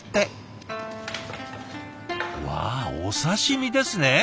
わあお刺身ですね。